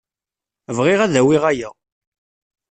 Bɣiɣ ad d-awiɣ aya.